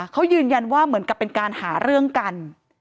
เขายืนยันว่าเหมือนกับเป็นการหาเรื่องกัน